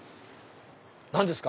何ですか？